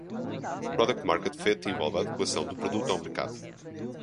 Product-Market Fit envolve a adequação do produto ao mercado.